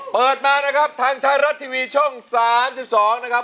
เปิดมานะครับทางไทยรัฐทีวีช่อง๓๒นะครับ